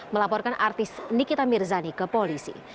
melaporkan artis nikita mirzani ke polisi